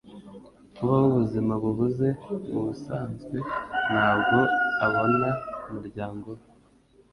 Kubaho ubuzima buhuze, mubusanzwe ntabwo abona umuryango we.